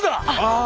ああ！